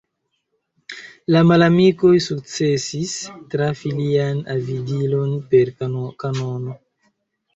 La malamikoj sukcesis trafi lian aviadilon per kanono.